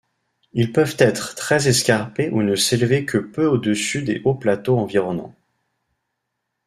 Ils peuvent être très escarpés ou ne s'élever que peu au-dessus des hauts-plateaux environnants.